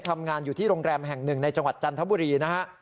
ทำงานอยู่ที่โรงแรมแห่งหนึ่งในจังหวัดจันทบุรีนะฮะ